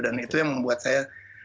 dan itu yang membuat saya